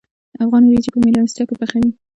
افغانان وریجې په میلمستیا کې پخوي.